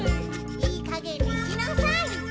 いいかげんにしなサイ。